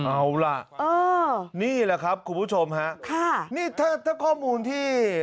เอาล่ะนี่แหละครับคุณผู้ชมฮะค่ะนี่ถ้าถ้าข้อมูลที่